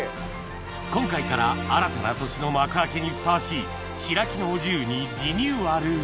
今回から新たな年の幕開けにふさわしい白木のお重にリニューアル